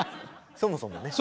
そもそも。